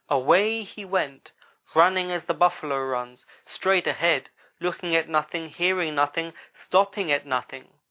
"Away he went running as the Buffalo runs straight ahead, looking at nothing, hearing nothing, stopping at nothing.